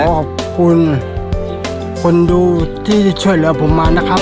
ขอบคุณคนดูที่ช่วยเหลือผมมานะครับ